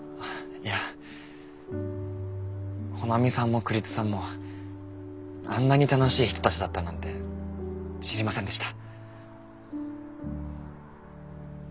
いや穂波さんも栗津さんもあんなに楽しい人たちだったなんて知りませんでした。